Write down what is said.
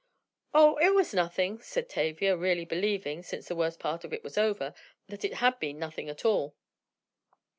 "Oh, it was nothing!" said Tavia, really believing, since the worst part of it was over, that it had been nothing at all.